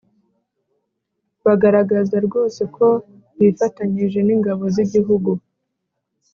bagaragaza rwose ko bifatanyije n'ingabo z'igihugu.